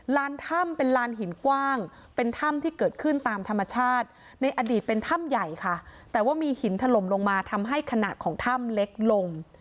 ถ้ำเป็นลานหินกว้างเป็นถ้ำที่เกิดขึ้นตามธรรมชาติในอดีตเป็นถ้ำใหญ่ค่ะแต่ว่ามีหินถล่มลงมาทำให้ขนาดของถ้ำเล็กลง